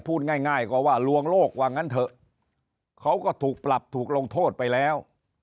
พูดง่ายก็ว่าลวงโลกว่างั้นเถอะเขาก็ถูกปรับถูกลงโทษไปแล้ว